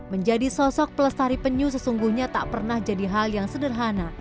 menjadi sosok pelestari penyu sesungguhnya tak pernah jadi hal yang sederhana